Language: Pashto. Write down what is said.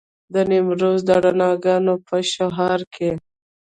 د نیمروز د رڼاګانو په شعاع کې.